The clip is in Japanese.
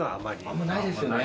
あんまないですよね。